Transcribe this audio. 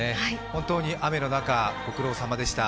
本当に雨の中、ご苦労さまでした。